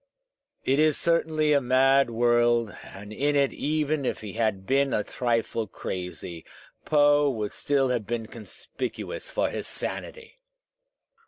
It is certainly a mad world, and in it, even if he had been a trifle crazy, Poe would still have been conspicuous for his sanity!